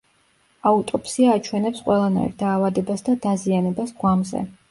აუტოპსია აჩვენებს ყველანაირ დაავადებას და დაზიანებას გვამზე.